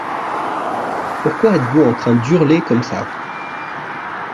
Pourquoi êtes-vous en train d’hurler comme ça ?